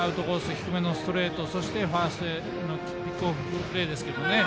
低めのストレートそして、ファーストへのプレーですけどね